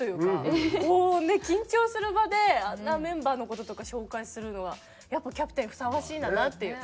こうね緊張する場であんなメンバーの事とか紹介するのはやっぱキャプテンにふさわしいんだなっていう。